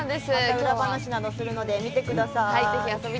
裏話などもするのでぜひ見てください。